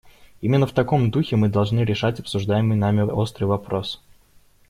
Именно в таком духе мы должны решать обсуждаемый нами острый вопрос.